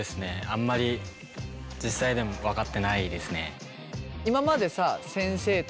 あんまり実際でも分かってないですね。